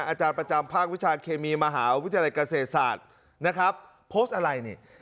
อาจารย์ประจำภาควิชาเคมีมหาวิทยาลัยเกษตรศาสตร์นะครับโพสต์อะไรนี่